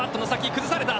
崩された。